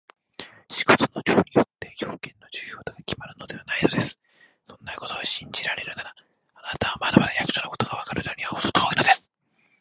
仕事の量によって、用件の重要度がきまるのではないのです。そんなことを信じられるなら、あなたはまだまだ役所のことがわかるのにはほど遠いのです。